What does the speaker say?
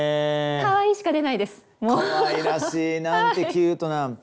かわいらしいなんてキュートな。